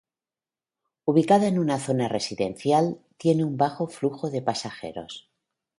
Ubicada en una zona residencial, tiene un bajo flujo de pasajeros.